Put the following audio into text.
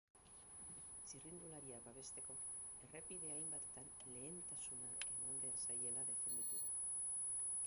Txirrindulariak babesteko errepide hainbatetan lehentasuna eman behar zaiela defenditu du.